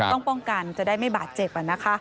ต้องป้องกันจะได้ไม่บาดเจ็บอ่ะนะคะ